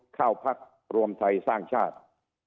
เข้าพักรวมไทยสร้างชาติ